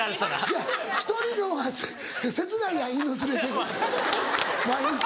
違う１人の方が切ないやん犬連れて毎日。